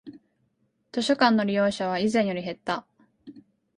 図書館の利用者は以前より減った